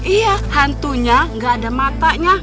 iya hantunya gak ada matanya